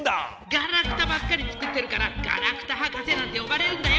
ガラクタばっかり作ってるからガラクタ博士なんてよばれるんだよ！